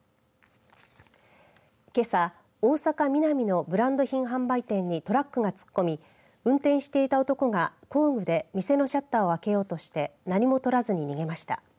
けさ大阪、ミナミのブランド品販売店にトラックが突っ込み運転していた男が工具で店のシャッターを開けようとして何もとらずに逃げました。